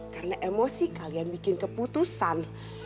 karena emosi kalian bikin keputusan